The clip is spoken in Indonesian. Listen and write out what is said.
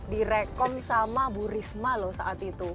direkom sama bu risma loh saat itu